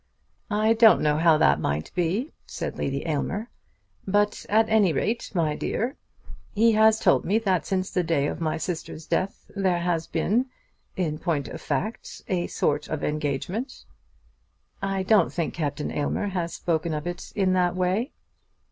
"I don't know how that might be," said Lady Aylmer; "but at any rate, my dear, he has told me that since the day of my sister's death there has been in point of fact, a sort of engagement." "I don't think Captain Aylmer has spoken of it in that way."